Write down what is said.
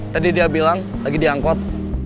tadi dia bilang lagi diangkut